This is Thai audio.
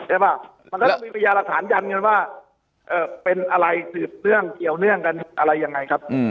ใช่ป่ะมันก็ต้องมีพยานหลักฐานยันกันว่าเป็นอะไรสืบเนื่องเกี่ยวเนื่องกันอะไรยังไงครับ